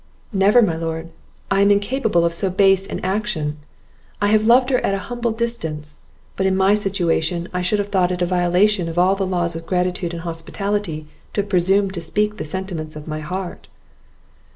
"Never, my lord. I am incapable of so base an action; I have loved her at an humble distance; but, in my situation, I should have thought it a violation of all the laws of gratitude and hospitality to have presumed to speak the sentiments of my heart."